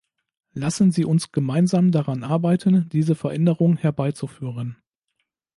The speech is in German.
Lassen Sie uns gemeinsam daran arbeiten, diese Veränderung herbeizuführen.